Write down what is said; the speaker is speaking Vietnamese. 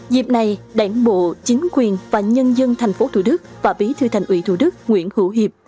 dịp này đảng bộ chính quyền và nhân dân tp thủ đức và bí thư thành ủy thủ đức nguyễn hữu hiệp